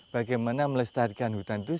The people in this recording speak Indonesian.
bagaimana melestarikan hutan itu